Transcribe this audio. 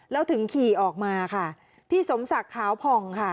แล้วถึงขี่ออกมาที่สมศักดิ์ขาวผ่อง